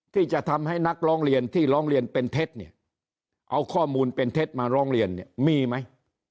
ที่จะทำให้นักร้องเรียนที่ร้องเรียนเป็นเท็จเนี่ยเอาข้อมูลเป็นเท็จมาร้องเรียนเนี่ยมีไหม